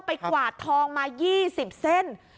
กวาดทองมา๒๐เส้น